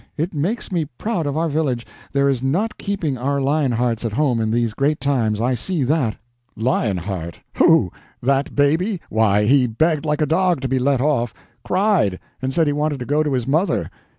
It makes me proud of our village. There is not keeping our lion hearts at home in these great times, I see that." "Lion heart! Who—that baby? Why, he begged like a dog to be let off. Cried, and said he wanted to go to his mother.